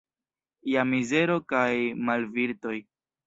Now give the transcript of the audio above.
Ja mizero kaj malvirtoj.